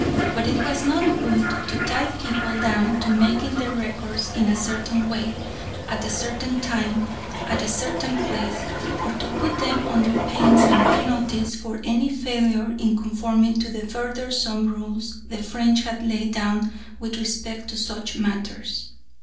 but it was not good to tie people down to making their records in a certain way, at a certain time, at a certain place, or to put them under pains and penalties for any failure in conforming to the burthensome rules the French had laid down with respect to such matters.